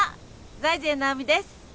財前直見です。